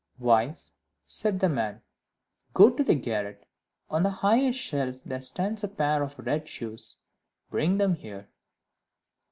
"Wife," said the man, "go to the garret: on the highest shelf there stands a pair of red shoes bring them here."